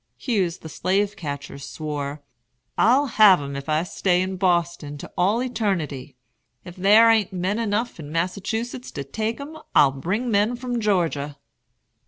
Hughes the slave catcher swore: "I'll have 'em if I stay in Boston to all eternity. If there a'n't men enough in Massachusetts to take 'em, I'll bring men from Georgia."